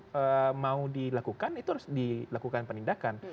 kalau mau dilakukan itu harus dilakukan penindakan